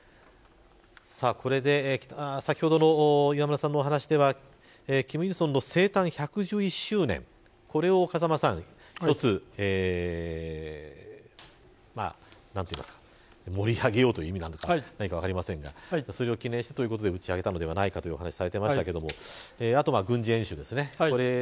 これで先ほどの磐村さんのお話では金日成の生誕１１０周年これを一つ盛り上げようという意味なのか何か分かりませんがそれを記念してということで打ち上げたのではないかというお話をされていましたがあとは軍事演習ですね。